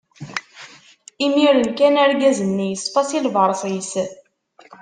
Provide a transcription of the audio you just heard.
Imiren kan, argaz-nni yeṣfa si lberṣ-is.